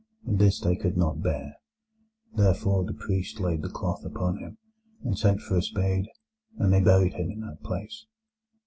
And this they could not bear. Therefore the priest laid the cloth upon him, and sent for a spade, and they buried him in that place."